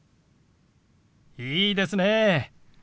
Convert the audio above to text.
いいですね！